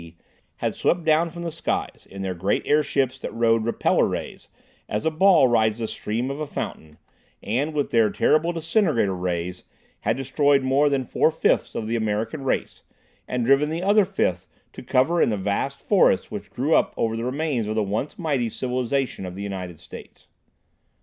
D., had swept down from the skies in their great airships that rode "repeller rays" as a ball rides the stream of a fountain, and with their terrible "disintegrator rays" had destroyed more than four fifths of the American race, and driven the other fifth to cover in the vast forests which grew up over the remains of the once mighty civilization of the United States.